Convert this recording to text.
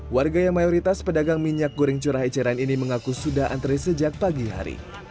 warga yang mayoritas pedagang minyak goreng curah eceran ini mengaku sudah antre sejak pagi hari